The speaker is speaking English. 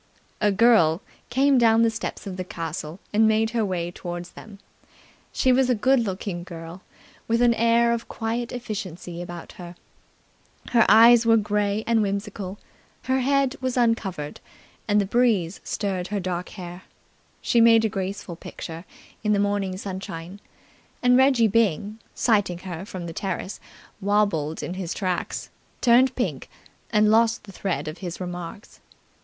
A girl came down the steps of the castle and made her way towards them. She was a good looking girl, with an air of quiet efficiency about her. Her eyes were grey and whimsical. Her head was uncovered, and the breeze stirred her dark hair. She made a graceful picture in the morning sunshine, and Reggie Byng, sighting her from the terrace, wobbled in his tracks, turned pink, and lost the thread of his remarks.